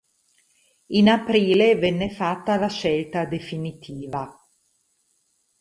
In aprile venne fatta la scelta definitiva.